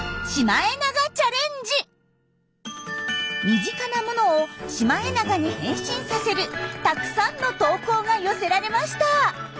身近なものをシマエナガに変身させるたくさんの投稿が寄せられました。